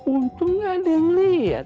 untung nggak ada yang liat